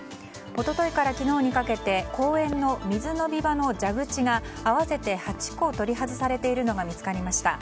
一昨日から昨日にかけて公園の水飲み場の蛇口が合わせて８個取り外されているのが見つかりました。